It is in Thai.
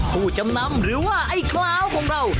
ผู้จำนำหรือว่าไอ้คลาวของเรา